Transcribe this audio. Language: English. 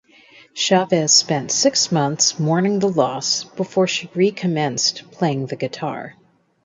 Chavez spent six months mourning the loss before she recommenced playing the guitar.